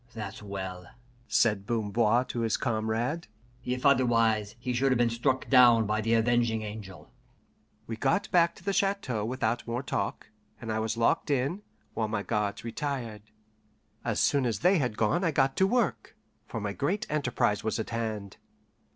"That's well," said Bamboir to his comrade. "If otherwise, he should have been struck down by the Avenging Angel." We got back to the chateau without more talk, and I was locked in, while my guards retired. As soon as they had gone I got to work, for my great enterprise was at hand.